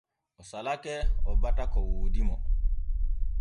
O salake o bata ko woodi mo.